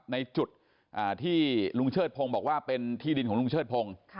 ในจุดที่ลุงเชิดพงศ์บอกว่าเป็นที่ดินของลุงเชิดพงศ์